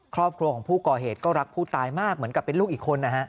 ครอบครัวของผู้ก่อเหตุก็รักผู้ตายมากเหมือนกับเป็นลูกอีกคนนะฮะ